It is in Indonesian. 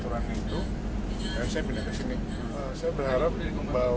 terus gimana nih setelah harga turunnya tanggapan dari bapak